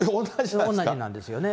同じなんですよね。